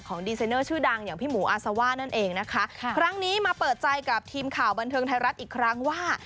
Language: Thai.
ก็เปิดใจกับทีมข่าวบันเทิงไทยรัฐอีกครั้งว่า